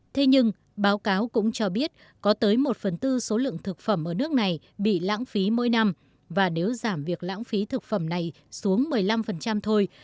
thế nhưng báo cáo cũng cho biết có tới một phần tư số lượng thực phẩm ở nước này bị lãng phí mỗi năm và nếu giảm việc lãng phí thực phẩm này xuống một mươi năm thôi